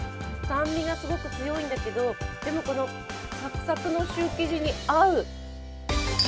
酸味がすごく強いんだけど、でも、サクサクのシュー生地に合う。